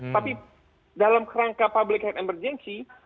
tapi dalam kerangka public health emergency